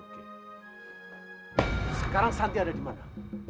sekarang santi ada di mana